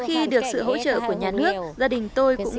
gia đình tôi cũng đã đồng hành cùng phụ nữ biên cương